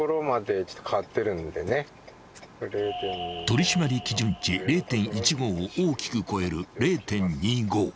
［取り締まり基準値０．１５を大きく超える０．２５］